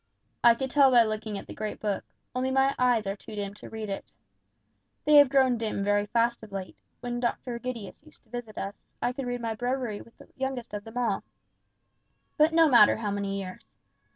I could tell by looking at the great book, only my eyes are too dim to read it. They have grown dim very fast of late; when Doctor Egidius used to visit us, I could read my Breviary with the youngest of them all. But no matter how many years.